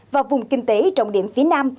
và vùng kinh tế trọng điểm phía nam